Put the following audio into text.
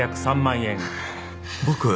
僕？